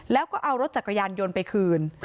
แล้วก็เอารถจักรยานยนต์ไปคืน